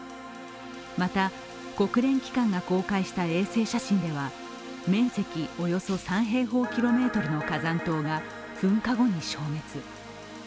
また、国連機関が公開した衛星写真では面積およそ３平方キロメートルの火山島が噴火後に消滅。